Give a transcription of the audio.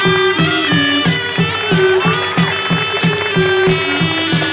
ปรบมือให้อาจารย์อีกทีนะครับ